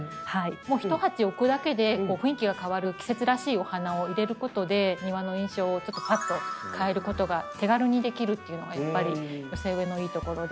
一鉢置くだけで雰囲気が変わる季節らしいお花を入れることで庭の印象をぱっと変えることが手軽にできるっていうのがやっぱり寄せ植えのいいところで。